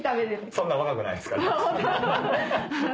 そんな若くないっすから。